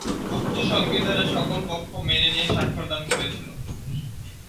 উক্ত সংবিধানে সকল পক্ষ মেনে নিয়ে স্বাক্ষর দান করেছিল।